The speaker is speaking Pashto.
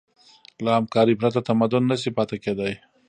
له همکارۍ پرته تمدن نهشي پاتې کېدی.